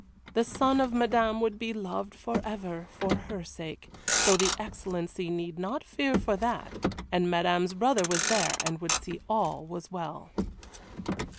The son of Madame would be loved forever, for her sake, so the Excellency need not fear for that, and Madame's brother was there, and would see all was well.